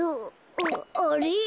あっあれ？